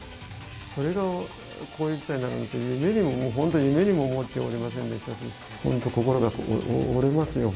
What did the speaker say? それがこういう事態になるとは、夢にも本当に、夢にも本当に思っておりませんでしたし。